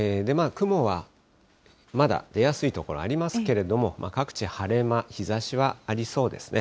雲はまだ出やすい所ありますけれども、各地、晴れ間、日ざしはありそうですね。